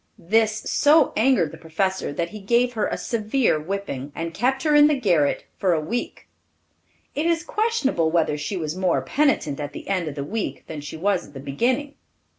This so angered the professor, that he gave her a severe whipping, and kept her in the garret for a week. It is questionable whether she was more penitent at the end of the week than she was at the beginning.